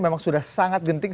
memang sudah sangat genting